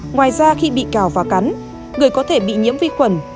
ngoài ra khi bị cào và cắn người có thể bị nhiễm vi khuẩn